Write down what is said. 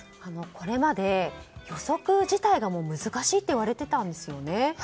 これまで予測自体が難しいといわれていたんですよね。